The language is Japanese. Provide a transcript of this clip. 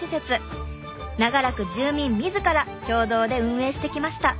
長らく住民自ら共同で運営してきました。